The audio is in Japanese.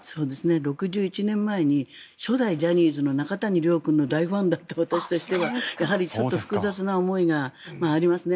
６１年前に初代ジャニーズの中谷良君の大ファンだった私としてはちょっと複雑な思いがありますね。